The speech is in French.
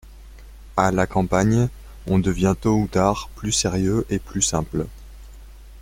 À la campagne, on devient tôt ou tard plus sérieux et plus simple.